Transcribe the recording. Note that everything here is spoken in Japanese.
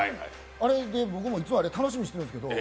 あれで僕もいっつも楽しみにしてるんですけど。